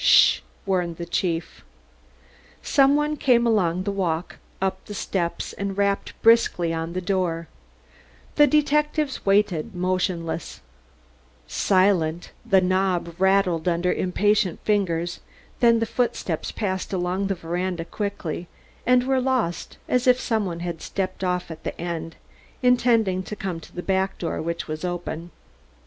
"Sh h h h!" warned the chief. Some one came along the walk, up the steps and rapped briskly on the door; the detectives waited motionless, silent The knob rattled under impatient fingers, then the footsteps passed along the veranda quickly, and were lost, as if some one had stepped off at the end intending to come to the back door, which was open.